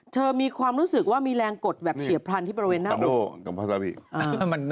เธอมีความรู้สึกว่ามีแรงกดแบบเฉียบพรรณที่ประเวณหน้าบุตร